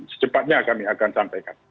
secepatnya kami akan sampaikan